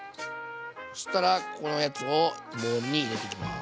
そしたらここのやつをボウルに入れていきます。